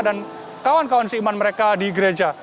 dan kawan kawan seiman mereka di gereja